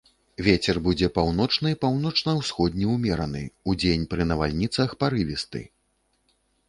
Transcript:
Вецер будзе паўночны, паўночна-ўсходні ўмераны, удзень пры навальніцах парывісты.